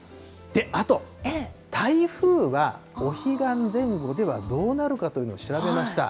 あと、台風はお彼岸前後ではどうなるかというのを調べました。